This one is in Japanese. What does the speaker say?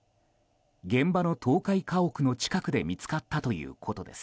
現場の倒壊家屋の近くで見つかったということです。